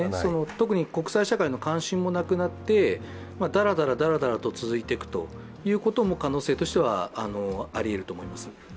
特に国際社会の関心もなくなって、だらだらだらだら続いていくということも可能性としては、ありえると思います。